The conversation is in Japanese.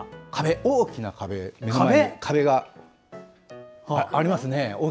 大きな壁がありますね？